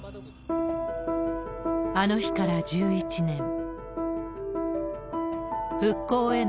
あの日から１１年。